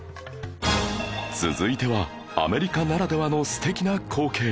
続いてはアメリカならではの素敵な光景